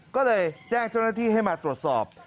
ก็เลยแจ้งเจ้าหน้าที่ให้มาตรวจสอบ